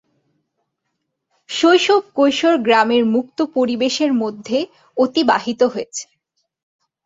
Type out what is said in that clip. শৈশব কৈশোর গ্রামের মুক্ত পরিবেশের মধ্যে অতিবাহিত হয়েছে।